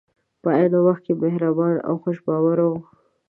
په عین وخت کې مهربان او خوش باوره وو.